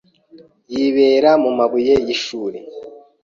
Yibera mumabuye yishuri.